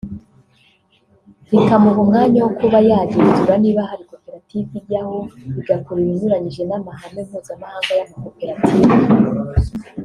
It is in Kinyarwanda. rikamuha umwanya wo kuba yagenzura niba hari koperative ijyaho igakora ibinyuranyije n’amahame mpuzamahanga y’amakoperative